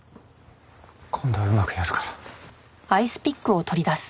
今度はうまくやるから。